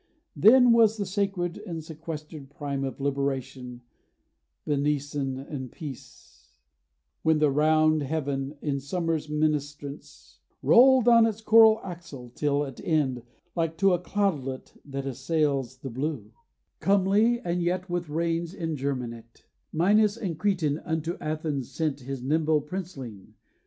Then was the sacred and sequestered prime Of liberation, benison, and peace; When the round heaven, in summer's ministrance Rolled on its choral axle; till, at end Like to a cloudlet that assails the blue, Comely and yet with rains ingerminate, Minos the Cretan unto Athens sent His nimble princeling.